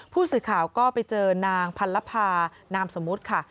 ผู้สื่อข่าวก็ไปเจอนางพันลภานามสมมุติค่ะ